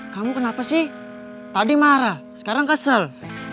kamu kenapa sih tadi marah sekarang kesel